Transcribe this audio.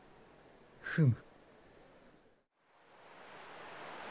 フム。